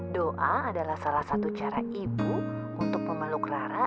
doa adalah salah satu cara ibu untuk memeluk rara